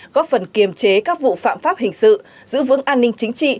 góp phần kiềm chế các vụ phạm pháp hình sự giữ vững an ninh chính trị